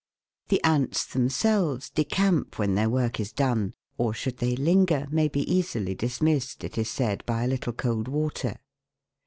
The ants themselves decamp when their work is done, or should they linger may be easily dismissed, it is said, by a little cold water.